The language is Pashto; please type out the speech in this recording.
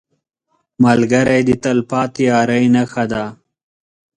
ملګری د تلپاتې یارۍ نښه ده